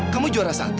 kamu juara satu